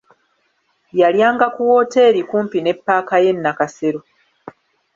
Yalyanga ku wooteri kumpi ne paaka y'e Nakasero.